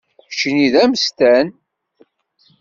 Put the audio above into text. Keččini d amsestan?